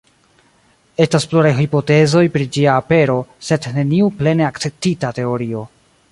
Estas pluraj hipotezoj pri ĝia apero, sed neniu plene akceptita teorio.